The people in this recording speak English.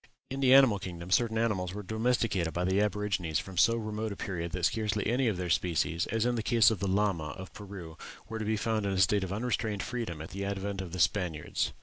In the animal kingdom certain animals were domesticated by the aborigines from so remote a period that scarcely any of their species, as in the case of the lama of Peru, were to be found in a state of unrestrained freedom at the advent of the Spaniards."